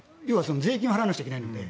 税金を払わなくちゃいけないので。